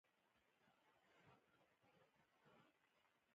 مسبب ذکر شي او مراد ځني سبب يي.